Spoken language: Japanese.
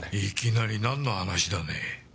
いきなりなんの話だね？